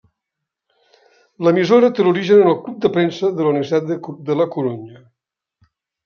L'emissora té l'origen en el Club de Premsa de la Universitat de la Corunya.